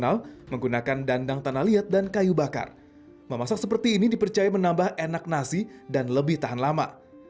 lebih tahan lama